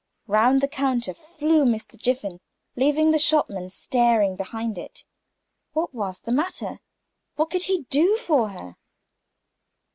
Round the counter flew Mr. Jiffin, leaving the shopman staring behind it. What was the matter? What could he do for her?